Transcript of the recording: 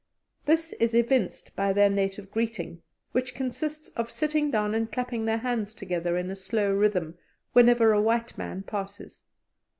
This is evinced by their native greeting, which consists of sitting down and clapping their hands together in a slow rhythm whenever a white man passes.